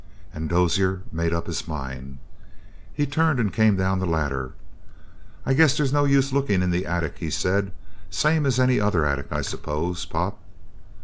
And Dozier made up his mind. He turned and came down the ladder. "I guess there's no use looking in the attic," he said. "Same as any other attic, I suppose, Pop?"